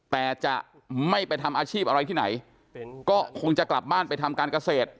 แต่จะไม่ไปทำอาชีพอะไรที่ไหนก็คงจะกลับบ้านไปทำการเกษตร